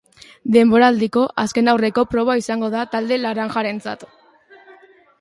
Denboraldiko azkenaurreko proba izango da talde laranjarentzat.